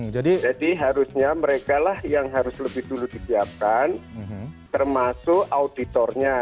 jadi harusnya mereka lah yang harus lebih dulu disiapkan termasuk auditornya